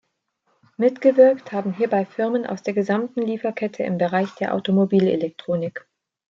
Mitgewirkt haben hierbei Firmen aus der gesamten Lieferkette im Bereich der Automobilelektronik.